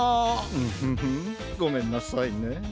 ウフフごめんなさいね。